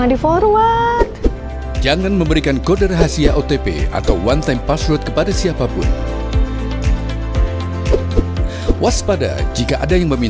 ini aku tuh ada gagal transaksi